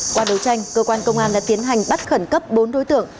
qua đấu tranh cơ quan công an đã tiến hành bắt khẩn cấp bốn đối tượng